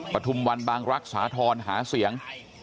ปฐุมวันบางรักษ์สาธรณ์หาเสียง